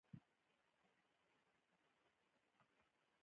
افغانستان د هلمند سیند له پلوه ځانته ځانګړتیاوې لري.